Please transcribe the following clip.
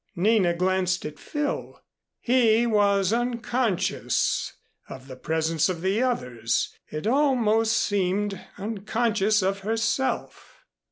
Nina glanced at Phil. He was unconscious of the presence of the others it almost seemed, unconscious of herself.